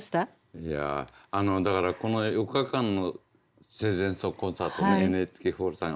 いやだからこの４日間の生前葬コンサートもＮＨＫホールさん